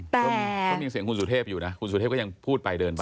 ก็มีเสียงคุณสุเทพอยู่นะคุณสุเทพก็ยังพูดไปเดินไป